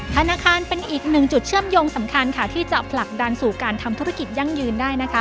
ธนาคารเป็นอีกหนึ่งจุดเชื่อมโยงสำคัญค่ะที่จะผลักดันสู่การทำธุรกิจยั่งยืนได้นะคะ